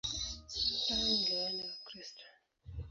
Leo wengi wao ni Wakristo.